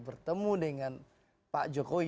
bertemu dengan pak jokowi